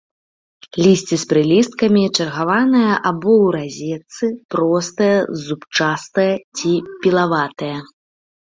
Лісце з прылісткамі, чаргаванае або ў разетцы, простае, зубчастае ці пілаватае.